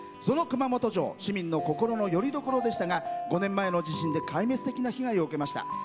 その熊本城市民の心のよりどころでしたが５年前の地震で壊滅的な被害を受けました。